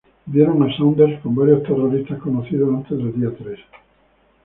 Vieron a Saunders con varios terroristas conocidos antes del día tres.